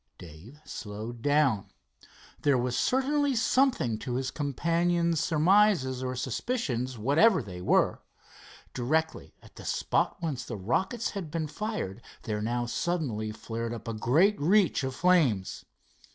Dave slowed down. There was certainly something to his companion's surmises or suspicions, whatever they were. Directly at the spot whence the rockets had been fired there now suddenly flared up a great reach of flames.